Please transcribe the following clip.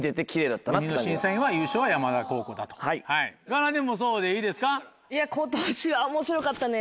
かなでもそうでいいですか？